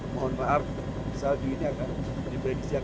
mohon maaf salju ini akan di prediksi